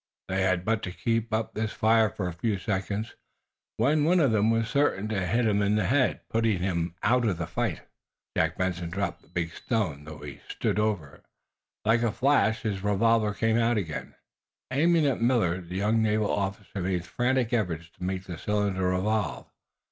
They had but to keep up this fire for a few seconds when one of them was certain to hit him in the head, putting him out of the fight. Jack Benson dropped the big stone, though he stood over it. Like a flash his revolver came out again. Aiming at Millard, the young naval officer made frantic efforts to make the cylinder revolve.